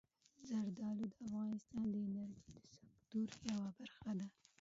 زردالو د افغانستان د انرژۍ د سکتور یوه برخه ده.